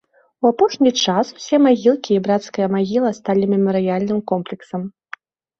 У апошні час усе магілкі і брацкая магіла стала мемарыяльным комплексам.